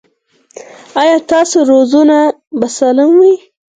ایا ستاسو روزنه به سالمه وي؟